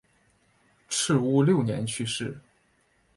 赤乌六年去世。